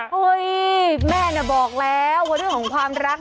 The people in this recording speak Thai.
เฮ้ยแม่น่ะบอกแล้วว่าเรื่องของความรัก